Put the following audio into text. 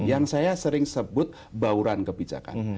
yang saya sering sebut bauran kebijakan